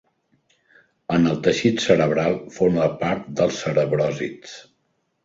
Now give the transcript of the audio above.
En el teixit cerebral forma part dels cerebròsids.